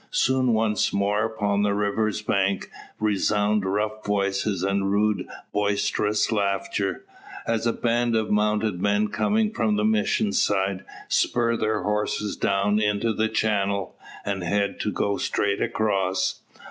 Soon once more upon the river's bank resound rough voices, and rude boisterous laughter, as a band of mounted men coming from the Mission side, spur their horses down into its channel, and head to go straight across.